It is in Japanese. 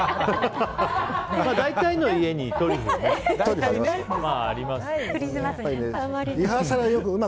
大体の家にトリュフね。